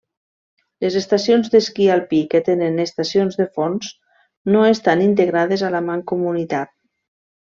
Les estacions d'esquí alpí que tenen estacions de fons, no estan integrades a la mancomunitat.